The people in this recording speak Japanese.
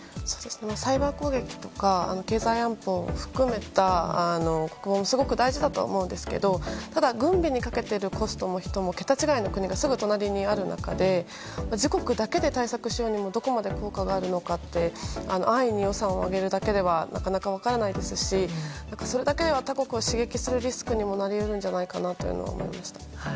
サイバー攻撃とか経済安保を含めたすごく大事だと思うんですけど軍備にかけているコストも人も桁違いの国がすぐ隣にある中で自国だけで対策しようにもどこまで効果があるのかって安易に予算を上げるだけではなかなか分からないですしそれだけでは他国を刺激するリスクになり得るんじゃないかと思いました。